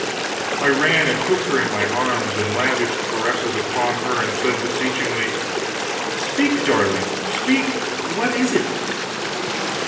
I ran and took her in my arms, and lavished caresses upon her and said, beseechingly: "Speak, darling, speak! What is it?"